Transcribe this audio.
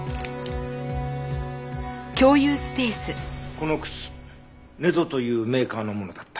この靴Ｎｅｄというメーカーのものだった。